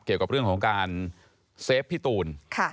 เกี่ยวกับเรื่องของการเซฟพี่ตูน